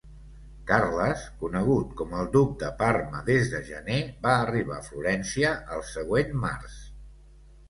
Carles, conegut com el Duc de Parma des de gener, va arribar a Florència el següent març.